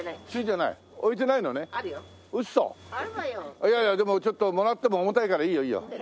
いやいやでもちょっともらっても重たいからいいよいいよ。